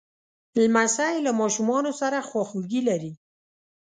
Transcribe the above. لمسی له ماشومانو سره خواخوږي لري.